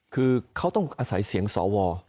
คือเขาต้องอาศัยเสียงสว